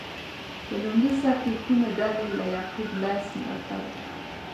په لومړي سر کې کومې ډلې له یعقوب لیث ملاتړ وکړ؟